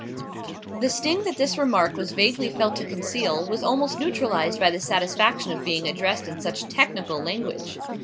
The sting that this remark was vaguely felt to conceal was almost neutralised by the satisfaction of being addressed in such technical language.